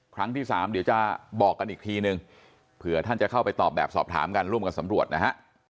ครั้งที่สามเดี๋ยวจะบอกกันอีกทีนึงเผื่อท่านจะเข้าไปตอบแบบสอบถามกันร่วมกันสำรวจนะฮะ